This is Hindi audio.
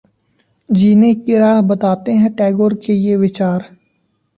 जीने की राह बताते हैं टैगोर के ये विचार